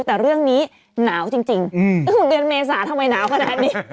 แต่เรื่องนี้หนาวจริงเดือนเมษาทำไมหนาวขนาดนี้